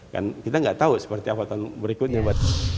kan kita nggak tahu seperti apa tahun berikutnya